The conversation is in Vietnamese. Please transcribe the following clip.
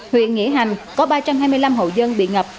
huyện nghĩa hành có ba trăm hai mươi năm hộ dân bị ngập